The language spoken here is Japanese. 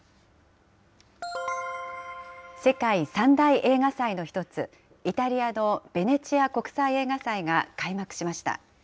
世界３大映画祭の１つ、イタリアのベネチア国際映画祭が開幕しました。